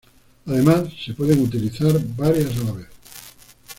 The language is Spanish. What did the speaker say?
Además se pueden utilizar varias a la vez.